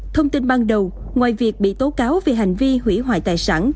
thông tin ban đầu ngoài việc bị tố cáo về hành vi hủy hoại tài sản